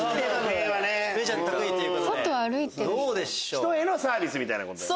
人へのサービスみたいなことだね。